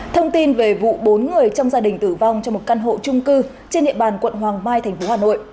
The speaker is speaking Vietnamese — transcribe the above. thông tin về vụ bốn người trong gia đình tử vong trong một căn hộ trung cư trên địa bàn quận hoàng mai tp hà nội